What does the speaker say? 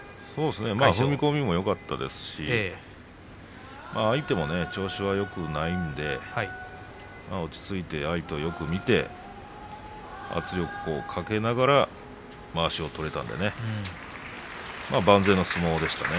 踏み込みもよかったですし相手も調子がよくないので落ち着いて相手をよく見て圧力をかけながらまわしを取れたので万全の相撲でしたね。